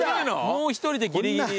もう１人でギリギリ。